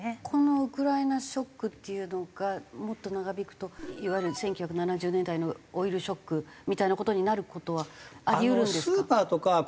このウクライナショックっていうのがもっと長引くといわゆる１９７０年代のオイルショックみたいな事になる事はあり得るんですか？